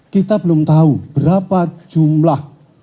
kita belum tahu berapa jumlah